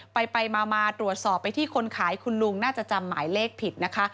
ไปมาตรวจสอบไปที่คนขายคุณลุงน่าจะจำหมายเลขผิดนะคะ